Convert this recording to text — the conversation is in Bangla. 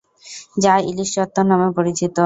যা ইলিশ চত্বর নামে পরিচিত।